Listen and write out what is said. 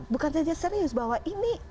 bukan saja serius bahwa ini